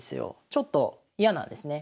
ちょっと嫌なんですね。